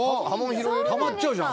たまっちゃうじゃん